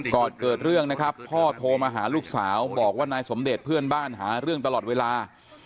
ก่อนเกิดเรื่องนะครับพ่อโทรมาหาลูกสาวบอกว่านายสมเด็จเพื่อนบ้านหาเรื่องตลอดเวลา